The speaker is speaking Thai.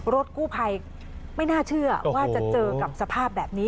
รถกู้ภัยไม่น่าเชื่อว่าจะเจอกับสภาพแบบนี้